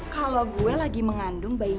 kalau gue lagi mengandalkan